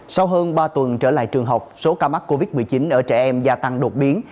sau hơn ba tuần trở lại trường học số ca mắc covid một mươi chín ở trẻ em gia tăng đột biến